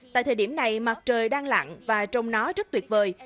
tại thời điểm này mặt trời đang lặn và trông nó rất tuyệt vời